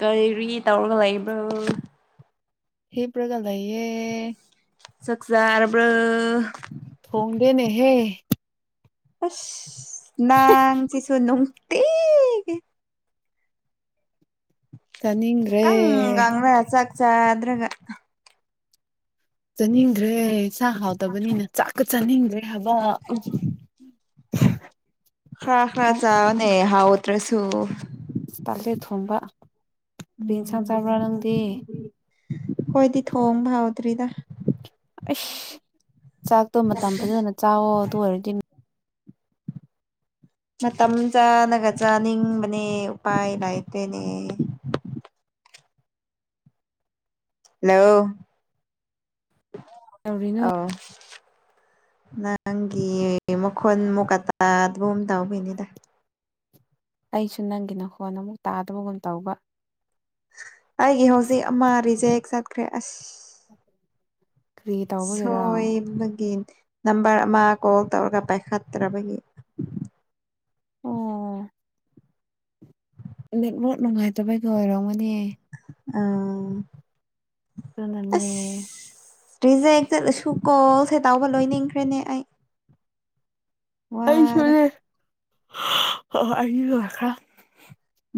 ꯀꯔꯤ ꯇꯧꯔꯒ ꯂꯩꯕ꯭ꯔꯣ ꯍꯤꯞꯄꯒ ꯂꯩꯌꯦ ꯆꯥꯛ ꯆꯥꯔꯕ꯭ꯔꯣ ꯊꯣꯡꯗꯦꯅꯦꯍꯦ ꯑꯁ ꯅꯪꯁꯤꯁꯨꯨ ꯅꯨꯡꯇꯤꯒꯤ ꯆꯥꯅꯤꯡꯗ꯭ꯔꯦ ꯑꯗꯨꯝ ꯀꯪꯪꯥ ꯆꯥꯛ ꯆꯥꯗ꯭ꯔꯒ ꯆꯥꯅꯤꯡꯗ꯭ꯔꯦ ꯆꯥꯛ ꯍꯥꯎꯗꯕꯅꯤꯅ ꯆꯥꯛꯀ ꯆꯥꯅꯤꯡꯗ꯭ꯔꯦ ꯍꯥꯏꯕ ꯎꯝ ꯈꯔ ꯈꯔ ꯆꯥꯎꯅꯦ ꯍꯥꯎꯇ꯭ꯔꯁꯨꯨ ꯇꯜꯂꯦ ꯊꯣꯡꯕ ꯀꯩ ꯏꯟꯁꯥꯡ ꯎꯝ ꯆꯥꯕ꯭ꯔꯥ ꯅꯪꯗꯤ ꯑꯩꯈꯣꯏꯗꯤ ꯊꯣꯡꯕ ꯍꯥꯎꯗ꯭ꯔꯔꯤꯗ ꯑꯁ ꯆꯥꯛꯇꯣ ꯃꯇꯝ ꯐꯖꯅ ꯆꯥꯑꯣ ꯑꯗꯨ ꯑꯣꯏꯔꯗꯤ ꯃꯇꯝ ꯆꯥꯅꯒ ꯆꯥꯅꯤꯡꯕꯅꯦ ꯎꯄꯥꯏ ꯂꯩꯥꯇꯦ ꯅꯦ ꯍꯜꯂꯣ ꯇꯧꯔꯤꯅꯣ ꯑꯥꯎ ꯅꯪꯒꯤ ꯃꯈꯣꯜ ꯑꯃꯨꯛꯀ ꯇꯥꯗꯕꯒꯨꯝ ꯇꯧꯕꯩꯅꯤꯗ ꯑꯩꯁꯨ ꯅꯪꯒꯤ ꯅꯈꯣꯟ ꯑꯃꯨꯛ ꯇꯥꯗꯕꯒꯨꯝ ꯇꯧꯕ ꯑꯩꯒꯤ ꯍꯧꯖꯤꯛ ꯑꯃ ꯔꯤꯖꯦꯛ ꯆꯠꯈ꯭ꯔꯦ ꯑꯁ ꯀ꯭ꯔꯤ ꯇꯧꯕꯒꯤꯔꯥ ꯁꯣꯏꯕꯒꯤ ꯅꯝꯕꯔ ꯑꯃ ꯀꯣꯜ ꯇꯧꯔꯒ ꯄꯥꯏꯈꯠꯇ꯭ꯔꯕꯒꯤ ꯑꯣ ꯅꯦꯠ ꯋꯥꯔꯛ ꯅꯨꯡꯉꯥꯏꯇꯕꯩꯒ ꯑꯣꯏꯔꯝꯒꯤꯅꯦ ꯑꯥ ꯑꯗꯨꯅꯅꯦ ꯑꯁ ꯔꯤꯖꯦꯛ ꯆꯠꯂꯁꯨ ꯀꯣꯜ ꯁꯦ ꯇꯥꯎꯕ ꯂꯣꯏꯅꯤꯡꯈ꯭ꯔꯦꯅꯦ ꯑꯩ ꯑꯩ ꯋꯥꯔꯦ ꯁꯨꯅꯦ ꯑꯣ ꯑꯩꯒꯤꯁꯨ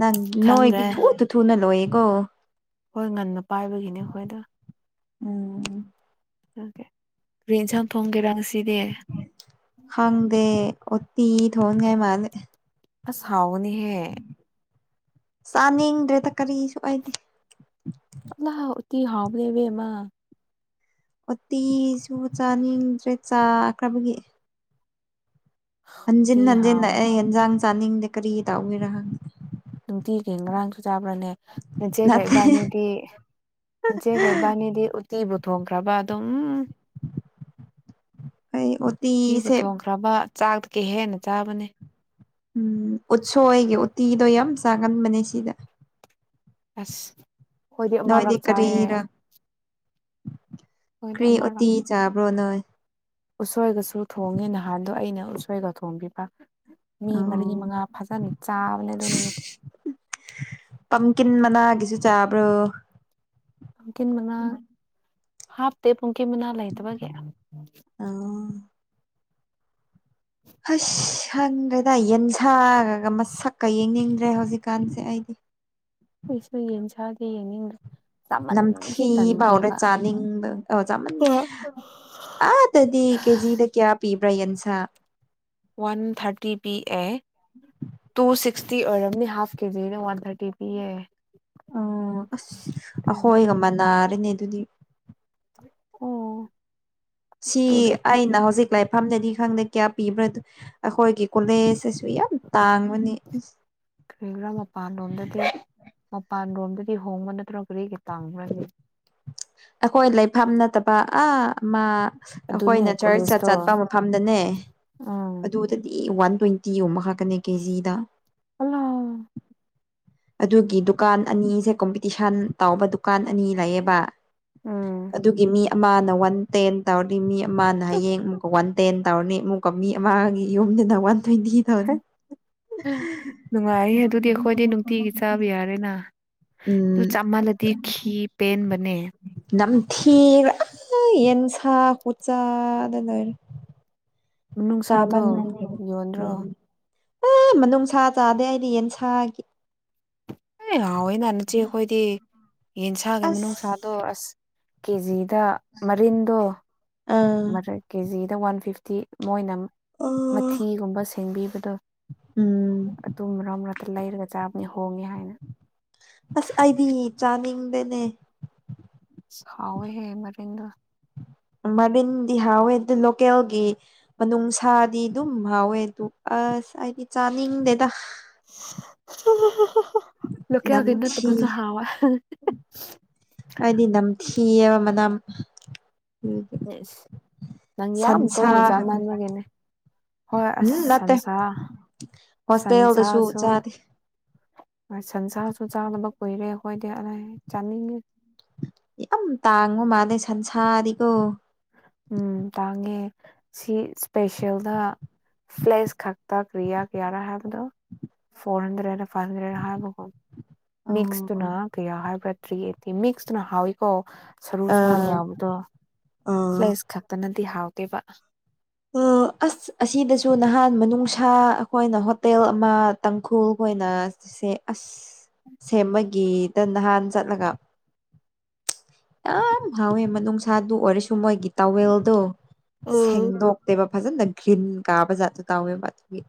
ꯅꯪ ꯅꯣꯏꯗꯤ ꯊꯨꯅ ꯊꯨꯅ ꯂꯣꯏꯌꯦꯀꯣ ꯍꯣꯏ ꯉꯟꯅ ꯄꯥꯏꯕꯒꯤꯅꯦ ꯑꯩꯈꯣꯏꯗ ꯎꯝ ꯑꯣ ꯀꯔꯤ ꯌꯦꯟꯁꯥꯡ ꯊꯣꯡꯒꯦꯔ ꯉꯁꯤꯗꯤ ꯈꯪꯗꯦ ꯎꯇꯤ ꯊꯣꯡꯗꯣꯏ ꯃꯥꯜꯂꯦ ꯑꯁ ꯍꯥꯎꯕꯅꯤ ꯍꯦ ꯆꯥꯅꯤꯡꯗ꯭ꯔꯦꯗ ꯀꯔꯤꯁꯨ ꯑꯩꯗꯤ ꯏꯃꯥ ꯎꯇꯤ ꯍꯥꯥꯎꯕꯅꯦ ꯏꯕꯦꯃ ꯎꯇꯤꯁꯨ ꯆꯥꯅꯤꯡꯗ꯭ꯔꯦ ꯆꯥꯈ꯭ꯔꯕꯒꯤ ꯍꯟꯖꯤꯟ ꯎꯇꯤ ꯍꯟꯖꯤꯟꯅ ꯍꯥꯎꯋꯦ ꯑꯩ ꯌꯦꯟꯖꯥꯡ ꯆꯥꯅꯤꯡꯗꯦ ꯀꯔꯤ ꯇꯧꯕꯒꯤꯔ ꯈꯪꯗꯦ ꯅꯨꯡꯇꯤꯒꯤ ꯉꯔꯥꯡꯁꯨ ꯆꯥꯕ꯭ꯔꯥꯅꯦ ꯅꯆꯦꯒ ꯅꯠꯇꯦ ꯏꯕꯥꯅꯤꯗꯤ ꯅꯆꯦꯒ ꯏꯕꯥꯅꯤꯗꯤ ꯎꯇꯤꯕꯨ ꯊꯣꯡꯈ꯭ꯔꯕ ꯑꯗꯨꯝ ꯑꯩ ꯎꯇꯤ ꯎꯇꯤꯕꯨ ꯊꯣꯡꯈ꯭ꯔꯕ ꯆꯥꯛꯇꯒꯤ ꯍꯦꯟꯅ ꯆꯥꯕꯅꯦ ꯎꯝ ꯎꯠꯁꯣꯏ ꯒꯤ ꯎꯇꯤꯗꯣ ꯌꯥꯝ ꯆꯥꯒꯟꯕꯅꯦ ꯁꯤꯗ ꯑꯁ ꯑꯩꯗꯤ ꯅꯣꯏꯗꯤ ꯑꯃꯔꯛ ꯆꯥꯏꯌꯦ ꯀꯔꯤꯔꯥ ꯑꯩꯈꯣꯏꯗꯤ ꯀ꯭ꯔꯤ ꯑꯃꯔꯛ ꯎꯇꯤ ꯆꯥꯕ꯭ꯔꯣ ꯅꯣꯏ ꯎꯁꯣꯏꯒꯁꯨ ꯊꯣꯡꯉꯦ ꯅꯍꯥꯟꯗꯣ ꯑꯩꯅ ꯎꯁꯣꯏꯒ ꯊꯣꯡꯕꯤꯕ ꯃꯤ ꯃꯔꯤ ꯑꯣ ꯃꯉꯥ ꯐꯖꯅ ꯆꯥꯕꯅꯦ ꯑ ꯑꯗꯨ ꯅꯨꯃꯤꯠꯇ ꯄꯝꯀꯤꯟ ꯃꯅꯥꯒꯤꯁꯨ ꯆꯥꯕ꯭ꯔꯣ ꯄꯝꯀꯤꯟ ꯃꯅꯥ ꯍꯥꯞꯇꯦ ꯄꯝꯀꯤꯟ ꯃꯅꯥ ꯂꯩꯇꯕꯒꯤ ꯑꯥ ꯑꯁ ꯈꯥꯪꯗ꯭ꯔꯦꯗ ꯌꯦꯟꯁꯥꯒ ꯃꯁꯛꯀ ꯌꯦꯡꯅꯤꯡꯗ꯭ꯔꯦ ꯍꯧꯖꯤꯛꯀꯥꯟꯁꯦ ꯑꯩꯗꯤ ꯑꯩꯁꯨ ꯌꯦꯟꯁꯗꯦ ꯌꯦꯡꯅꯤꯡꯗꯦ ꯅꯝꯊꯤꯕ ꯍꯧꯔꯦ ꯆꯥꯅꯤꯡꯕ ꯑ ꯆ ꯍꯣꯏ ꯑꯥꯗꯗꯤ ꯀꯦꯖꯤꯗ ꯀꯌꯥ ꯄꯤꯕ꯭ꯔꯥ ꯌꯦꯟꯁꯥ ꯋꯥꯟ ꯊꯥꯔꯇꯤ ꯄꯤ ꯑꯦ ꯇꯨ ꯁꯤꯛꯁꯇꯤ ꯑꯣꯏꯔꯝꯅꯤ ꯍꯥꯐ ꯀꯦꯖꯤꯅ ꯋꯥꯟ ꯊꯥꯔꯇꯤ ꯄꯤꯌꯦ ꯑꯣ ꯑꯁ ꯑꯗꯨꯒꯤ ꯑꯩꯈꯣꯏꯒ ꯑꯃ ꯅꯥꯔꯤꯅꯦ ꯑꯗꯨꯗꯤ ꯑꯣ ꯁꯤ ꯑꯗꯨꯗꯤ ꯑꯩꯅ ꯍꯧꯖꯤꯛ ꯂꯥꯏꯐꯝꯗꯗꯤ ꯈꯪꯗꯦ ꯀꯌꯥ ꯄꯤꯕ꯭ꯔꯥ ꯑꯩꯈꯣꯏꯒꯤ ꯀꯣꯂꯦꯖꯁꯨ ꯇꯥꯡꯕꯅꯤ ꯀꯔꯤꯒꯔꯥ ꯃꯄꯥꯟꯂꯣꯝꯗꯗꯤ ꯃꯄꯥꯟ ꯔꯣꯝꯗꯒꯤ ꯍꯣꯡꯕ ꯅꯠꯇ꯭ꯔꯒꯔꯤꯒꯩ ꯇꯥꯡꯈ꯭ꯔꯒꯦ ꯑꯩꯈꯣꯏ ꯂꯩꯐꯝ ꯅꯠꯇꯕ ꯑꯥ ꯃꯥ ꯑꯗꯨꯅꯦ ꯑꯩꯈꯣꯏꯅ ꯆꯔꯆꯠ ꯀꯣꯂꯦꯖꯇꯣ ꯆꯠꯄ ꯃꯐꯝꯗꯅꯦ ꯎꯝ ꯑꯗꯨꯗꯗꯤ ꯋꯥꯟ ꯇ꯭ꯋꯦꯟꯇꯤ ꯇꯤ ꯑꯛ ꯍꯥꯞꯀꯅꯤ ꯀꯦꯖꯤꯗ ꯑꯜꯂꯣ ꯑꯗꯨꯒꯤ ꯗꯨꯀꯥꯟ ꯑꯅꯤꯁꯦ ꯀꯣꯝꯄꯤꯇꯤꯁꯟ ꯇꯥꯎꯕ ꯗꯨꯀꯥꯟ ꯑꯅꯤ ꯂꯩꯌꯦꯕ ꯎꯝ ꯑꯗꯨꯒꯤ ꯃꯤ ꯑꯃꯅ ꯋꯥꯟ ꯇꯦꯟ ꯇꯧꯔꯗꯤ ꯃꯤ ꯑꯃꯅ ꯍꯌꯦꯡ ꯑꯃꯨꯛꯀ ꯋꯥꯟ ꯇꯦꯟ ꯇꯧꯔꯅꯤ ꯑꯃꯨꯛꯀ ꯃꯤ ꯑꯃꯒꯤ ꯌꯨꯝꯗꯨꯅ ꯋꯥꯟ ꯇ꯭ꯋꯦꯟꯇꯤ ꯇꯧꯅꯤ ꯅꯨꯡꯉꯥꯏ ꯑꯗꯨꯗꯤ ꯑꯩꯈꯣꯏꯗꯤ ꯅꯨꯡꯇꯤꯒꯤ ꯆꯥꯕ ꯌꯥꯔꯦꯅ ꯑꯗꯨ ꯎꯝ ꯆꯥꯃꯜꯂꯗꯤ ꯈꯤ ꯄꯦꯟꯕꯅꯦ ꯅꯝ ꯊꯤꯔ ꯌꯦꯟꯁ ꯍꯨꯆꯗꯗꯣꯏꯔꯤ ꯆꯥꯕ ꯃꯅꯨꯡꯁꯥꯗꯣ ꯌꯣꯟꯗ꯭ꯔꯣ ꯎꯝ ꯑꯦ ꯃꯅꯨꯡꯅꯨꯡꯁꯥ ꯆꯥꯗꯦ ꯑꯩꯗꯤ ꯌꯦꯟ ꯁꯥꯥꯒꯤ ꯑꯦ ꯍꯥꯎꯋꯦ ꯅꯥꯥꯟꯟꯅꯆꯦ ꯑꯩꯈꯣꯏꯗꯤ ꯌꯦꯟꯁꯥꯒꯤ ꯑꯁ ꯃꯅꯨꯡꯅꯨꯡꯁꯥꯗꯣ ꯑꯁ ꯀꯦꯖꯤ ꯁꯤꯗ ꯃꯔꯤꯟꯗꯣ ꯑꯥ ꯀꯦꯖꯤꯗ ꯋꯥꯟ ꯐꯤꯐꯇꯤ ꯃꯣꯏꯅ ꯃꯊꯤꯒꯨꯝꯕ ꯁ ꯁꯦꯝꯕꯤꯕꯗꯣ ꯎꯝ ꯇꯨꯝ ꯃꯔꯛ ꯃꯔꯛꯇ ꯂꯩꯔꯒ ꯆꯥꯕꯅꯤ ꯍꯣꯡꯉꯦ ꯍꯥꯏꯅ ꯑꯁ ꯑꯩꯗꯤ ꯆꯥꯅꯤꯡꯗꯦꯅꯦ ꯍꯥꯎꯋꯦꯍꯦ ꯃꯔꯤꯟꯗꯣ ꯃꯔꯤꯟ ꯗꯤ ꯍꯥꯎꯋꯦ ꯑꯗꯣ ꯂꯣꯀꯦꯜꯒꯤ ꯃꯅꯨꯡꯁꯥꯗꯤ ꯑꯗꯨꯝ ꯍꯥꯎꯋꯦ ꯑꯁ ꯑꯩꯗꯤ ꯆꯥꯅꯤꯡꯗꯦꯗ ꯂꯣꯀꯦꯜꯒꯤ ꯅꯝꯊꯤ ꯅꯠꯇꯕꯁꯨ ꯍꯥꯎꯋꯦ ꯑꯩꯗꯤ ꯅꯝꯊꯤꯌꯦꯕ ꯃꯅꯝ ꯏꯁ ꯅꯪ ꯌꯥꯝ ꯁꯟꯁꯥ ꯇꯣꯏꯅ ꯈꯛꯇꯅꯤ ꯆꯥꯃꯟꯅꯕꯒꯤꯅꯦ ꯍꯣꯏ ꯎꯝ ꯑꯁ ꯅꯠꯇꯦ ꯁꯟꯁꯥ ꯍꯣꯁꯇꯦꯜꯗꯁꯨ ꯁꯟꯁꯥꯁꯨ ꯆꯥꯗꯦ ꯁꯟꯁꯥꯁꯨ ꯆꯥꯗꯕ ꯀꯨꯏꯔꯦ ꯑꯩꯈꯣꯏꯗꯤ ꯆꯥꯅꯤꯡꯉꯤ ꯌꯥꯝ ꯇꯥꯡꯕ ꯃꯥꯜꯂꯦ ꯁꯟꯁꯥꯗꯤꯀꯣ ꯎꯝ ꯇꯥꯡꯉꯦ ꯁꯤ ꯁꯄꯦꯁꯦꯜꯗ ꯐ꯭ꯂꯦꯁ ꯈꯛꯇ ꯀꯌꯥ ꯀꯌꯥꯔ ꯍꯥꯏꯕꯗꯣ ꯐꯣꯔ ꯍꯟꯗ꯭ꯔꯦꯠꯔ ꯐꯥꯏꯚ ꯍꯟ꯭ꯔꯦꯠꯔ ꯍꯥꯏꯕꯀꯣ ꯃꯤꯛꯁꯇꯨꯅ ꯑꯣ ꯀꯌꯥ ꯍꯥꯏꯕ꯭ꯔꯥ ꯊ꯭ꯔꯤ ꯑꯩꯠꯇꯤ ꯃꯤꯛꯁꯇꯨꯅ ꯍꯥꯎꯏꯀꯣ ꯁꯔꯨ ꯑ ꯁꯔꯥꯡ ꯌꯥꯎꯕꯗꯣ ꯑ ꯐ꯭ꯂꯦꯁ ꯈꯛꯇꯅꯗꯤ ꯍꯥꯎꯇꯦꯕ ꯎꯝ ꯑꯁ ꯑꯁꯤꯗꯁꯨ ꯅꯍꯥꯟ ꯃꯅꯨꯡꯁꯥ ꯑꯩꯈꯣꯏꯅ ꯍꯣꯇꯦꯜ ꯑꯃ ꯇꯥꯡꯈꯨꯜ ꯈꯣꯏꯅ ꯁꯦ ꯑꯁ ꯁꯦꯝꯃꯒꯤꯗ ꯅꯍꯥꯟ ꯆꯠꯂꯒ ꯌꯥꯝ ꯍꯥꯎꯋꯦ ꯃꯅꯨꯡꯁꯥꯗꯨ ꯑꯣꯏꯔꯁꯨ ꯃꯣꯏꯒꯤ ꯇꯋꯦꯜꯗꯣ ꯎꯝ ꯁꯦꯡꯗꯣꯛ ꯕꯥ ꯐꯖꯟꯅꯒ꯭ꯔꯤꯟ ꯀꯥꯕꯖꯥꯠꯇꯣ ꯇꯧꯋꯦꯕ ꯑꯗꯨꯒꯤ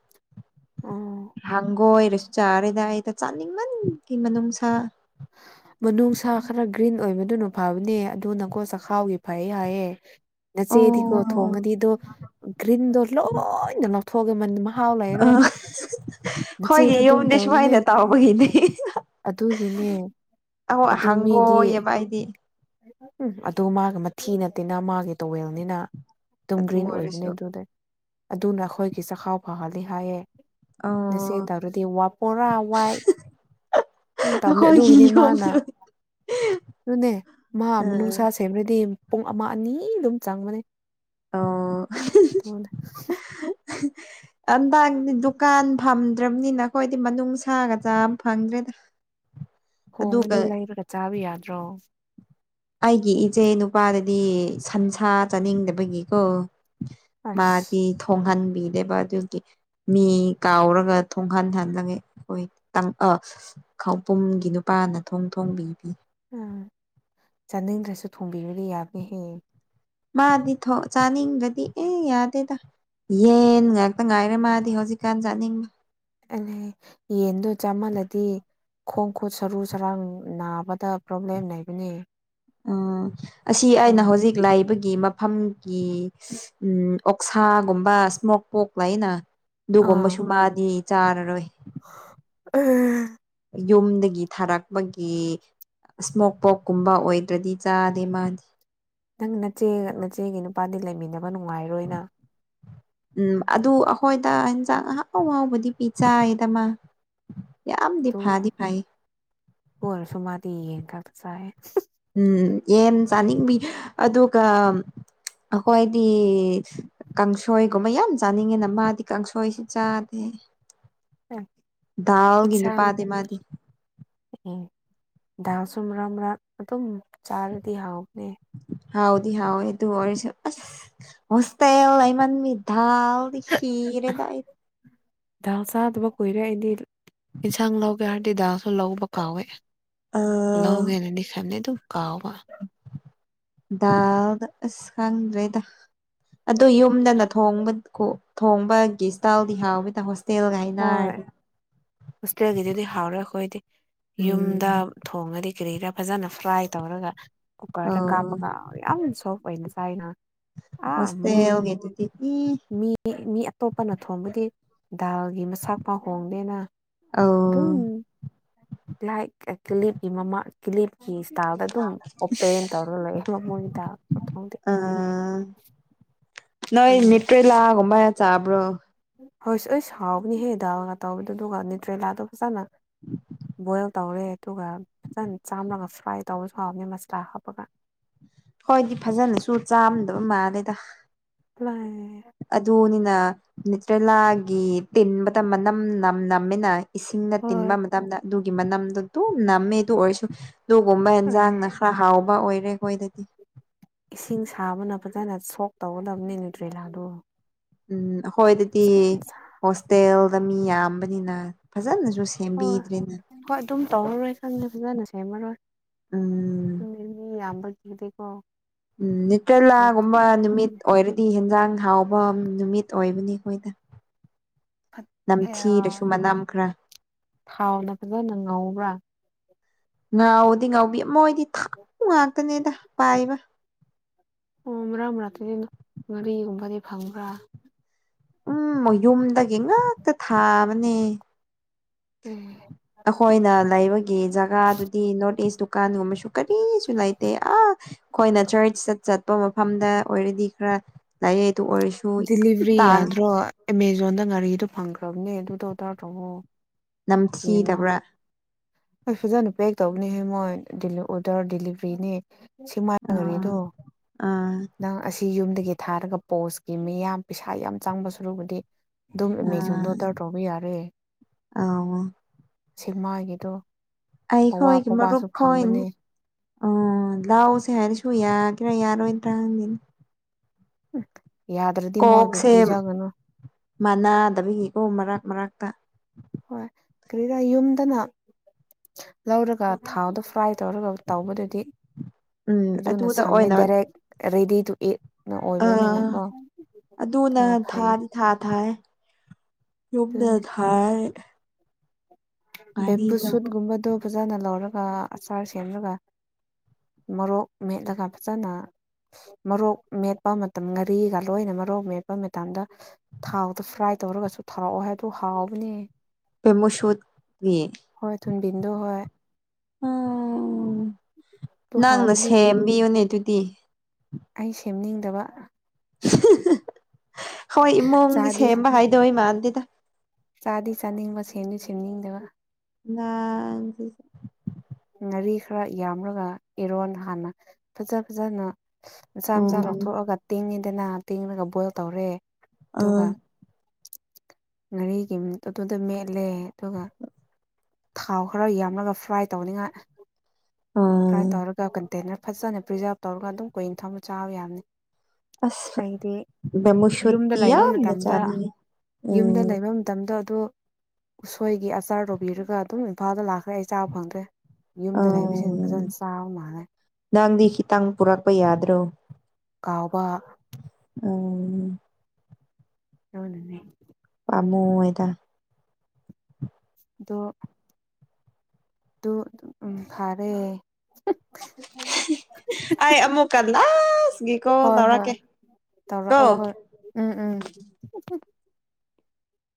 ꯎꯝ ꯍꯪꯒꯣꯏꯔꯁꯨ ꯆꯥꯔꯦꯗꯥ ꯑꯩꯗꯣ ꯆꯥꯅꯤꯡꯃꯟꯒꯤ ꯃꯅꯨꯡꯁꯥ [inaudible] ꯃꯅꯨꯡꯁꯥ ꯈꯔ ꯒ꯭ꯔꯤꯟ ꯑꯣꯏꯕꯗꯨꯅ ꯐꯕꯅꯦ ꯑꯗꯨ ꯅꯀꯣ ꯆꯈꯥꯎꯒꯤ ꯐꯩ ꯍꯥꯏꯌꯦ ꯅꯆꯦꯗꯤꯀꯣ ꯑꯣ ꯊꯣꯡꯉꯗꯤꯗꯣ ꯒ꯭ꯔꯤꯟꯗꯣ ꯂꯣꯏꯅ ꯂꯧꯊꯣꯛ ꯃꯟ ꯃꯍꯥꯎ ꯑ ꯂꯩꯔꯔꯣꯏ ꯅꯆꯦꯗꯣ ꯍꯣꯏꯒꯤ ꯑꯗꯨꯝ ꯌꯨꯝꯗꯤ ꯇꯧꯅꯦ ꯁꯨꯃꯥꯏꯅ ꯇꯥꯎꯕꯒꯤꯅꯤ ꯑꯗꯨꯒꯤꯅꯦ ꯑꯧ ꯑꯗꯨ ꯃꯤꯗꯤ ꯍꯪꯒꯣꯏꯑꯦꯕ ꯑꯩꯗꯤ ꯑꯗꯨ ꯃꯥꯒ ꯃꯊꯤ ꯅꯠꯇꯦꯅ ꯃꯥꯒꯤ ꯇꯣꯋꯦꯜꯅꯤꯅ ꯑꯗꯨꯝ ꯑꯗꯨ ꯒ꯭ꯔꯤꯟ ꯑꯣꯏꯕꯅꯦ ꯑꯣꯏꯔꯁꯨ ꯑꯗꯨꯗ ꯑꯗꯨꯅ ꯑꯩꯈꯣꯏꯒꯤ ꯆꯈꯥꯎ ꯐꯍꯜꯂꯤ ꯍꯥꯏꯌꯦ ꯑꯣ ꯅꯆꯦ ꯇꯧꯔꯗꯤ ꯋꯥꯄꯣꯔꯥ ꯋꯥꯏꯠ [unintelligible] ꯇꯧꯕꯅꯦ ꯑꯩꯈꯣꯏꯒꯤ ꯑꯗꯨꯒꯤꯅꯦ ꯃꯥꯅ ꯌꯨꯝꯁꯨ ꯑꯗꯨꯅꯦ ꯃꯥ ꯎꯝ ꯃꯅꯨꯡꯁꯥꯁꯦ ꯁꯦꯝꯕ꯭ꯔꯗꯤ ꯄꯨꯡ ꯑꯃ ꯑꯅꯤ ꯑꯗꯨꯝ ꯆꯪꯕꯅꯦ ꯑꯣ [unintelligible] ꯍꯟꯗꯡꯗꯤ ꯗꯨꯀꯥꯟ ꯐꯝꯗ꯭ꯔꯕꯅꯤꯅ ꯑꯩꯈꯣꯏꯗꯤ ꯃꯅꯨꯡꯁꯥꯒ ꯆꯥ ꯐꯪꯗ꯭ꯔꯦꯗ ꯑꯗꯨꯒ ꯍꯣꯡꯉꯗꯤ ꯂꯩꯔꯒ ꯆꯥꯕ ꯌꯥꯗ꯭ꯔꯣ ꯑꯩꯒꯤ ꯏꯆꯦ ꯅꯨꯄꯥꯗꯗꯤ ꯁꯟꯁꯥ ꯆꯥꯅꯤꯡꯗꯕꯒꯤꯀꯣ ꯑꯁ ꯃꯥꯗꯤ ꯊꯣꯡꯍꯟꯕꯤꯗꯦꯕ ꯑꯗꯨꯒꯤ ꯃꯤ ꯀꯥꯎꯔꯒ ꯊꯣꯡꯍꯟꯍꯜꯂꯒꯦ ꯑꯩꯈꯣꯏ ꯇꯪꯑ ꯈꯥꯎꯄꯨꯝꯒꯤ ꯅꯨꯄꯥꯅ ꯊꯣꯡ ꯊꯣꯡꯕꯤꯕꯤ ꯎꯝ ꯆꯥꯅꯤꯡꯗ꯭ꯔꯁꯨ ꯊꯣꯡꯕꯤꯕꯗꯤ ꯌꯥꯕꯅꯦꯍꯦ ꯃꯥꯗꯤ ꯊꯣ ꯆꯥꯅꯤꯡꯗꯗꯤ ꯑꯦ ꯌꯥꯗꯦꯗ ꯌꯦꯟ ꯉꯥꯛꯇ ꯉꯥꯏꯔꯦ ꯃꯥꯗꯤ ꯍꯧꯖꯤꯛꯀꯥꯟ ꯆꯥꯅꯤꯡꯕ ꯌꯦꯟꯗꯣ ꯆꯥꯃꯜꯂꯗꯤ ꯈꯣꯡ ꯈꯨꯠ ꯁꯔꯨ ꯁꯔꯥꯡ ꯅꯥꯕꯗ ꯄ꯭ꯔꯣꯕ꯭ꯂꯦꯝ ꯂꯩꯕꯅꯤ ꯑꯁꯤ ꯑꯩꯅ ꯍꯧꯖꯤꯛ ꯂꯩꯕꯒꯤ ꯃꯐꯝꯒꯤ ꯎꯝ ꯑꯣꯛꯁꯥꯒꯨꯝꯕ ꯁꯃꯣꯛ ꯄꯣꯛ ꯂꯩꯅ ꯑꯗꯨꯒꯨꯝꯕꯁꯨ ꯑꯥ ꯃꯥꯗꯤ ꯆꯥꯔꯔꯣꯏ [unintelligible] ꯌꯨꯝꯗꯒꯤ ꯊꯥꯔꯛꯄꯒꯤ ꯁꯃꯣꯛ ꯄꯣꯛꯀꯨꯝꯕ ꯑꯣꯏꯗ꯭ꯔꯗꯤ ꯆꯥꯗꯦ ꯃꯥꯗꯤ ꯅꯪ ꯅꯆꯦ ꯅꯆꯦꯒꯤ ꯅꯨꯄꯥꯗꯤ ꯂꯩꯃꯤꯟꯅꯕ ꯅꯨꯡꯉꯥꯏꯔꯣꯏꯅ ꯎꯝ ꯑꯗꯨ ꯑꯍꯣꯏꯗ ꯏꯟꯖꯥꯡ ꯑꯍꯥꯎ ꯍꯥꯎꯕꯗꯤ ꯄꯤꯆꯥꯏꯗ ꯃꯥ ꯌꯥꯝꯗꯤ ꯇꯨ ꯐꯥꯗꯤ ꯐꯩ ꯑꯗꯨ ꯑꯣꯏꯔꯁꯨ ꯃꯥꯗꯤ ꯌꯦꯡ ꯈꯛꯇ ꯆꯥꯏ ꯎꯝ ꯌꯦꯟ ꯆꯥꯅꯤꯡꯕꯤ ꯑꯗꯨꯒ ꯑꯩꯈꯣꯏꯗꯤ ꯀꯥꯡꯁꯣꯏꯒꯨꯝꯕ ꯌꯥꯝ ꯆꯥꯅꯤꯡꯉꯤꯅ ꯃꯥꯗꯤ ꯀꯥꯡꯁꯣꯏꯁꯤ ꯆꯥꯗꯦ ꯗꯥꯜꯒꯤ ꯏꯟꯁꯥꯡ ꯅꯨꯄꯥꯗꯦ ꯃꯥꯗꯤ ꯗꯥꯜꯁꯨ ꯃꯔꯛ ꯃꯔꯛ ꯑꯗꯨꯝ ꯆꯥꯔꯗꯤ ꯍꯥꯎꯕꯅꯦ ꯍꯥꯎꯗꯤ ꯍꯥꯎꯑꯦ ꯑꯗꯨ ꯑꯣꯏꯔꯁꯨ ꯍꯣꯁꯇꯦꯜ ꯂꯩꯃꯟꯕꯩ ꯗꯥꯜꯗꯤ ꯈꯤꯔꯦꯗ ꯑꯩ ꯗꯥꯜ ꯆꯥꯗꯕ ꯀꯨꯏꯔꯦ ꯑꯩꯗꯤ ꯏꯟꯁꯥꯡ ꯂꯧꯒꯦ ꯍꯥꯏꯔꯗꯤ ꯗꯥꯜꯁꯨ ꯂꯧꯕ ꯀꯥꯎꯋꯦ ꯂꯧꯒꯦꯅꯗꯤ ꯈꯜꯂꯤ ꯑꯗꯨꯝ ꯀꯥꯎꯕ ꯗꯥꯜꯗ ꯑꯁ ꯈꯪꯗ꯭ꯔꯦꯗ ꯑꯗꯨ ꯌꯨꯝꯗꯅ ꯊꯣꯡꯕ ꯀꯨ ꯊꯣꯡꯕꯒꯤ ꯁꯇꯥꯏꯜꯗꯤ ꯍꯥꯎꯋꯦꯗ ꯍꯣꯁ ꯍꯣꯏ ꯍꯣꯁꯇꯦꯜꯒꯤꯗꯨꯗꯤ ꯍꯥꯎꯔꯣꯏ ꯑꯩꯈꯣꯏꯗꯤ ꯎꯝ ꯌꯨꯝꯗ ꯊꯣꯡꯉꯗꯤ ꯀꯔꯤꯔꯥ ꯐꯖꯅ ꯐ꯭ꯔꯥꯏ ꯇꯧꯔꯒ ꯀꯨꯀꯔꯗ ꯑꯧ ꯀꯥꯞꯄꯒ ꯌꯥꯝ ꯁꯣꯝ ꯑꯣꯏꯅ ꯆꯥꯏꯅ ꯑ ꯃꯤ ꯍꯣꯁꯇꯦꯜꯒꯤꯗꯨꯗꯤ ꯏ ꯃꯤ ꯃꯤ ꯃꯤ ꯑꯇꯣꯞꯄꯅ ꯊꯣꯡꯕꯗꯤ ꯗꯥꯜꯒꯤ ꯃꯁꯥꯛ ꯄꯥꯎ ꯍꯣꯡꯗꯦꯅ ꯗꯨꯝ ꯑꯧ ꯂꯥꯏꯛ ꯀꯂꯤꯞꯄꯤ ꯃꯃꯥ ꯀꯤꯂꯤꯞꯀꯤ ꯁꯇꯥꯜꯗ ꯑꯗꯨꯝ ꯑꯣꯄꯦꯟ ꯇꯧꯔꯒ ꯂꯩ ꯃꯣꯏ ꯗꯜ ꯈꯨꯊꯣꯡꯗꯤ ꯑ ꯅꯣꯏ ꯑꯗꯨꯅꯤ ꯅꯨꯇ꯭ꯔꯦꯂ ꯒꯨꯝꯕ ꯆꯕ꯭ꯔꯣ ꯍꯣꯏ ꯑꯩꯁ ꯍꯥꯎꯕꯅꯦꯍꯦ ꯗꯥꯜꯒ ꯇꯧꯕꯗꯣ ꯑꯗꯨꯒ ꯅ꯭ꯌꯨꯇ꯭ꯔꯦꯂꯥꯗꯣ ꯐꯖꯅ ꯕꯣꯏꯜ ꯇꯧꯔꯦ ꯑꯗꯨꯒ ꯐꯖꯅ ꯆꯥꯝꯂꯒ ꯐ꯭ꯔꯥꯏ ꯇꯧꯕꯁꯨ ꯍꯕꯅꯦ ꯃꯁꯂꯥ ꯍꯥꯞꯄꯒ ꯍꯣꯏꯗꯤ ꯐꯖꯅꯁꯨ ꯆꯥꯝꯗꯕ ꯃꯥꯜꯂꯦꯗ [unintelligible] ꯑꯗꯨꯅꯤꯅ ꯅꯤꯌꯨꯇ꯭ꯔꯦꯂꯥꯒꯤ ꯇꯤꯟꯕꯗ ꯃꯅꯝ ꯅꯝ ꯅꯝꯃꯤꯅ ꯏꯁꯤꯡꯗ ꯇꯤꯟꯕ ꯍꯣꯏ ꯃꯠ ꯃꯇꯝꯗ ꯑꯗꯨꯒꯤ ꯃꯅꯝꯗꯨ ꯑꯗꯨꯝ ꯅꯝꯃꯦ ꯑꯗꯨ ꯑꯣꯏꯔꯁꯨ ꯑꯗꯨꯒꯨꯝꯕ ꯑꯦꯟꯖꯥꯡꯅ ꯎꯝ ꯈꯔ ꯍꯥꯎꯕ ꯑꯣꯏꯔꯦ ꯑꯈꯣꯏꯗꯗꯤ ꯏꯁꯤꯡ ꯁꯥꯕꯅ ꯐꯖꯅ ꯁꯣꯛ ꯇꯧꯒꯗꯕꯅꯤ ꯅꯤꯌꯨꯇ꯭ꯔꯦꯂꯥꯗꯣ ꯎꯝ ꯑꯈꯣꯏꯗꯗꯤ ꯍꯣꯁꯇꯦꯜꯗ ꯃꯤ ꯌꯥꯝꯕꯅꯤꯅ ꯐꯖꯅꯖꯨ ꯍꯣꯏ ꯁꯦꯝꯕꯤꯗ꯭ꯔꯦꯅ ꯍꯣꯏ ꯑꯗꯨꯝ ꯇꯧꯔꯔꯣꯏ ꯈꯪꯉꯤ ꯐꯖꯅ ꯁꯦꯝꯃꯔꯣꯏ ꯎꯝ ꯃꯤ ꯌꯥꯝꯕꯒꯤ ꯗꯤꯀꯣ ꯅꯤꯌꯨꯇ꯭ꫪꯦꯂꯥ ꯒꯨꯝꯕ ꯅꯨꯃꯤꯠ ꯊꯣꯡꯉꯅꯤ ꯑꯣꯏꯔꯗꯤ ꯍꯦꯟꯖꯥꯡ ꯍꯥꯎꯕ ꯅꯨꯃꯤꯠ ꯑꯣꯏꯕꯅꯤ ꯑꯈꯣꯏꯗ ꯃꯅꯝ ꯈꯔ ꯊꯥꯎꯅ ꯐꯖꯅ ꯉꯥꯎꯕ꯭ꯔꯥ ꯉꯥꯎꯗꯤ ꯉꯥꯎꯕꯤ ꯃꯣꯏꯗꯤ ꯊꯥꯎ ꯉꯥꯛꯇꯅꯦꯗ ꯄꯥꯏꯕ ꯑꯣ ꯃꯔꯥꯝ ꯃꯔꯛꯇꯗꯤ ꯉꯥꯔꯤꯒꯨꯝꯕꯗꯤ ꯐꯪꯕ꯭ꯔꯥ ꯎꯝ ꯃꯌꯨꯝꯗꯒꯤ ꯉꯥꯛꯇ ꯊꯥꯕꯅꯦ [unintelligible] ꯑꯍꯣꯏꯅ ꯂꯩꯕꯒꯤ ꯖꯒꯥꯗꯨꯗꯤ ꯅꯣꯔꯠ ꯏꯁ ꯗꯨꯀꯥꯟꯒꯨꯝꯕꯁꯨ ꯀꯔꯤꯁꯨ ꯂꯩꯇꯦ ꯑꯥ ꯑꯈꯣꯏꯅ ꯆꯔꯠꯁ ꯆꯠ ꯆꯠꯄ ꯃꯐꯝꯗ ꯑꯣꯏꯔꯗꯤ ꯈꯔ ꯂꯥꯏꯔꯤ ꯗꯨ ꯑꯣꯏꯔꯁꯨ ꯗꯤꯂꯤꯚ꯭ꯔꯤ ꯇꯥꯡꯉꯦ ꯌꯥꯗ꯭ꯔꯣ ꯑꯦꯃꯦꯖꯣꯟꯗ ꯉꯥꯔꯤꯗꯨ ꯐꯪꯈ꯭ꯔꯕꯅꯦ ꯑꯗꯨꯗꯣ ꯑꯣꯔꯗꯔ ꯇꯧꯋꯣ ꯌꯦꯡꯉꯣ ꯅꯝꯊꯤꯗꯕ꯭ꯔꯥ ꯐꯖꯅ ꯄꯦꯛ ꯇꯧꯕꯅꯤꯍꯦ ꯃꯣꯏ ꯗꯤꯂꯤ ꯑꯣꯗꯔ ꯗꯤꯂꯤꯚ꯭ꯔꯤꯅꯤ ꯁꯦꯛꯃꯥꯏ ꯑꯥ ꯉꯥꯔꯤꯗꯣ ꯑꯥ ꯅꯪ ꯑꯁꯤ ꯌꯨꯝꯗꯒꯤ ꯊꯥꯔꯒ ꯄꯣꯁꯀꯤ ꯃꯤ ꯌꯥꯝ ꯄꯩꯁꯥ ꯌꯥꯝ ꯆꯪꯕ ꯁꯔꯨꯛꯕꯨꯗꯤ ꯗꯨꯝ ꯑꯦꯃꯦꯖꯣꯟꯗ ꯑꯥ ꯑꯣꯗꯔ ꯇꯧꯕ ꯌꯥꯔꯦ ꯑꯧ ꯁꯦꯛꯃꯥꯏꯒꯤꯗꯣ ꯑꯩ ꯄꯋꯥ ꯈꯣꯏꯒꯤ ꯃꯔꯨꯞ ꯄꯋꯥꯁꯨ ꯀꯣꯏ ꯐꯪꯕꯅꯦ ꯑꯣ ꯂꯥꯎꯁꯦ ꯍꯥꯏꯔꯁꯨ ꯌꯥꯒꯦꯔꯥ ꯌꯥꯔꯣꯏꯗ꯭ꯔꯥ ꯈꯪꯗꯦꯗ ꯎꯝ ꯌꯥꯗ꯭ꯔꯦ ꯀꯣꯛꯁꯦ ꯃꯅꯥꯗꯕꯒꯤꯀꯣ ꯃꯔꯛ ꯃꯔꯛꯇ ꯍꯣꯏ ꯀꯔꯤꯔ ꯌꯨꯝꯗꯅ ꯂꯧꯔꯒ ꯊꯥꯎꯗ ꯐ꯭ꯔꯥꯏ ꯇꯧꯔꯒ ꯇꯧꯕꯗꯗꯤ ꯎꯝ ꯑꯗꯨꯅ ꯑꯗꯨꯗ ꯁꯝꯃꯦ ꯗꯥꯔꯦꯛ ꯔꯦꯗꯤꯇꯨ ꯏꯠ ꯑ ꯑꯗꯨꯅ ꯊꯥ ꯊꯥ ꯊꯥꯏ ꯌꯨꯝꯗ ꯑꯗꯨꯅꯤ ꯊꯥꯏ ꯕꯦꯝꯕꯨ ꯉꯥꯔꯤꯗꯣ ꯁꯨꯠꯒꯨꯝꯕꯗꯣ ꯐꯖꯅ ꯂꯧꯔꯒ ꯑꯆꯥꯔ ꯁꯦꯝꯂꯒ ꯃꯣꯔꯣꯛ ꯃꯦꯠꯂꯒ ꯐꯖꯅ ꯃꯣꯔꯣꯛ ꯃꯦꯠꯄ ꯃꯇꯝ ꯉꯥꯔꯤꯒ ꯂꯣꯏꯅ ꯃꯔꯣꯛ ꯃꯦꯠꯄ ꯃꯇꯝꯗ ꯊꯥꯎꯗ ꯐ꯭ꯔꯥꯏ ꯇꯧꯔꯒꯁꯨ ꯊꯥꯎꯑꯣꯏ ꯍꯥꯏꯗꯨ ꯍꯥꯎꯕꯅꯦ ꯕꯦꯝꯕꯨꯁꯨꯠ ꯒꯤ ꯍꯣꯏ ꯊꯨꯟꯕꯤꯟꯗꯣ ꯍꯣꯏ ꯎ ꯑꯗꯨ ꯅꯪꯅ ꯍꯥꯎꯕꯅꯦ ꯁꯦꯝꯕꯤꯌꯨꯅꯦ ꯑꯗꯨꯗꯤ ꯑꯩ ꯁꯦꯝꯅꯤꯡꯗꯕ ꯍꯣꯏ ꯏꯃꯨꯡꯒꯤ ꯆꯥꯗꯤ ꯁꯦꯝꯕ ꯍꯩꯗꯣꯏ ꯃꯥꯟꯗꯦꯗ ꯆꯥꯗꯤ ꯆꯥꯅꯤꯡꯕ ꯁꯦꯝꯗꯤ ꯁꯦꯝꯅꯤꯡꯗꯕ ꯅꯥꯟ ꯖꯤꯖꯨ ꯉꯥꯔꯤ ꯈꯔ ꯌꯥꯝꯂꯒ ꯏꯔꯣꯟ ꯍꯥꯟꯅ ꯐꯖ ꯐꯖꯅ ꯃꯆꯥ ꯃꯆꯥ ꯎꯝ ꯂꯧꯊꯣꯛꯑꯒ ꯇꯤꯡꯉꯤꯗꯅ ꯇꯤꯡꯉꯒ ꯕꯣꯏꯜ ꯇꯧꯔꯦ ꯑꯥ ꯑꯗꯨꯒ ꯉꯥꯔꯤꯒꯤ ꯑꯗꯨꯗ ꯃꯦꯠꯂꯦ ꯑꯗꯨꯒ ꯊꯥꯎ ꯈꯔ ꯌꯥꯝꯂꯒ ꯐ꯭ꯔꯥꯏ ꯇꯧꯅꯤꯉꯥꯏ ꯐ꯭ꯔꯥꯏ ꯑꯥ ꯇꯧꯔꯒ ꯀꯟꯇꯦꯅꯔ ꯐꯖꯅ ꯄ꯭ꯔꯤꯖꯥꯕ ꯇꯧꯔꯒ ꯑꯗꯨꯝ ꯀꯨꯏ ꯊꯝꯃ ꯆꯥꯕ ꯌꯥꯅꯤ ꯑꯁ ꯑꯩꯗꯤ ꯕꯦꯝꯕꯨ ꯌꯨꯝꯗ ꯁꯨꯠꯇꯤ ꯂꯩꯕ ꯌꯥꯝꯅ ꯃꯇꯝꯗ ꯆꯥꯅꯤꯡꯉꯤ ꯌꯨꯝꯗ ꯎꯝ ꯂꯩꯕ ꯃꯇꯝꯗꯣ ꯑꯗꯨ ꯎꯁꯣꯏꯒꯤ ꯑꯆꯥꯔ ꯇꯧꯕꯤꯔꯒ ꯑꯗꯨꯝ ꯏꯝꯐꯥꯜꯗ ꯂꯥꯛꯈ꯭ꯔꯦ ꯑꯩ ꯆꯥꯕ ꯐꯪꯗ꯭ꯔꯦ ꯌꯨꯝꯗ ꯂꯩꯕꯁꯤꯡ ꯑꯥ ꯐꯖꯅ ꯆꯥ ꯃꯥꯜꯂꯦ ꯅꯪꯗꯤ ꯈꯤꯇꯪ ꯄꯨꯔꯛꯄ ꯌꯥꯗ꯭ꯔꯣ ꯀꯥꯎꯕ ꯎꯝ [unintelligible] ꯄꯥꯃꯨꯋꯦꯗ ꯑꯗꯣ ꯑꯗꯨ ꯎꯝ ꯐꯔꯦ ꯑꯩ ꯑꯃꯨꯛꯀ ꯂꯥꯁꯒꯤ ꯀꯣꯜ ꯍꯣꯏ ꯍꯣꯏ ꯇꯧꯔꯛꯀꯦ ꯀꯣ ꯇꯧꯔꯛꯑꯣ ꯍꯣꯏ ꯎꯝ ꯎꯝ